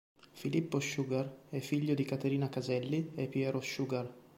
Filippo Sugar è figlio di Caterina Caselli e Piero Sugar.